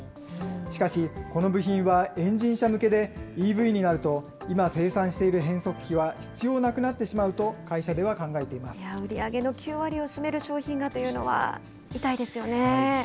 しかし、この部品はエンジン車向けで、ＥＶになると今生産している変速機は必要なくなってしまういや、売り上げの９割を占める商品がというのは痛いですよね。